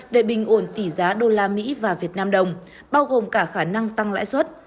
để bình ổn tỷ giá đô la mỹ và việt nam đồng bao gồm cả khả năng tăng lãi suất